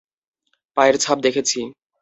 পায়ের ছাপ দেখেছি।